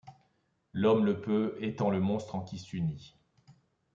L’homme le peut, étant le monstre en qui s’unit